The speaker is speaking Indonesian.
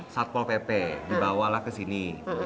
satpol pp dibawalah ke sini